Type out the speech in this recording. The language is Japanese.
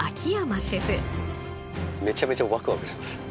めちゃめちゃワクワクします。